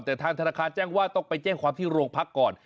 แต่ทางธนาคารแจ้งว่าต้องไปแจ้งความที่โรงพักก่อน